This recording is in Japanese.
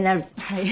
はい。